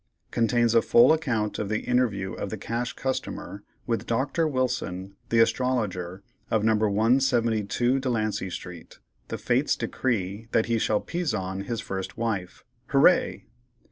Contains a full account of the interview of the Cash Customer with Doctor Wilson, the Astrologer, of No. 172 Delancey Street. The Fates decree that he shall "pizon his first Wife." HOORAY!!